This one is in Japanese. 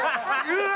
うわ！